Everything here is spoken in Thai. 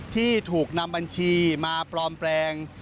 ที่ถูกนำบัญชีมาปลอมแปลง